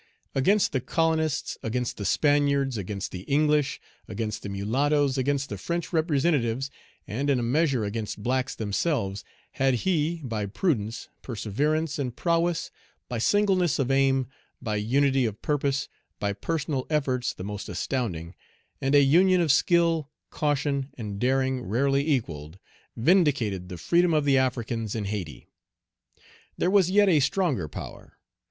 Against the colonists, against the Spaniards, against the English, against the mulattoes, against the French representatives, and in a measure against blacks themselves, had he, by prudence, perseverance, and prowess, by singleness of aim, by unity of purpose, by personal efforts the most astounding, and a union of skill, caution, and daring Page 119 rarely equalled, vindicated the freedom of the Africans in Hayti. There was yet a stronger power.